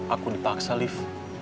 aku dipaksa liv